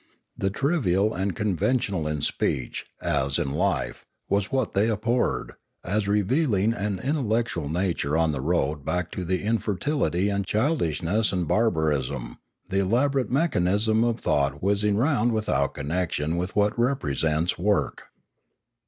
The trivial and conventional in speech, as in life, was what they abhorred, as revealing an intel lectual nature on the road back to the infertility and childishness of barbarism, the elaborate mechanism of thought whizzing round without connection with what represents work.